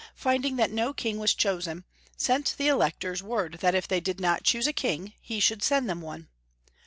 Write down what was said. finding that no king was chosen, sent the electors word that if they did not choose a king he should send them one.